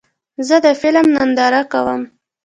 زه د فلم ننداره کوم.